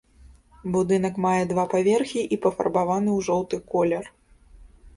Будынак мае два паверхі і пафарбаваны ў жоўты колер.